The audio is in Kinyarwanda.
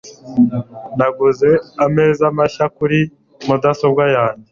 Naguze ameza mashya kuri mudasobwa yanjye.